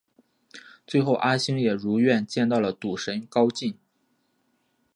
最后阿星也如愿见到赌神高进。